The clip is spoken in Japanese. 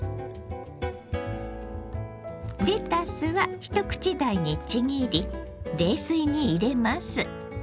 レタスは一口大にちぎり冷水に入れます。